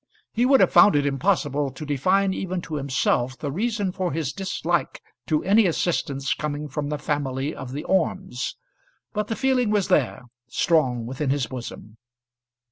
He would have found it impossible to define even to himself the reason for his dislike to any assistance coming from the family of the Ormes; but the feeling was there, strong within his bosom.